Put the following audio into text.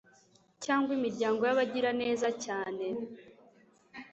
cyangwa imiryango y abagiraneza cyane